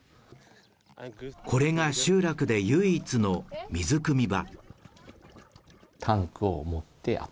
これが集落で唯一の水くみ場。